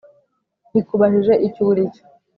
Rikubajije icyo uri cyo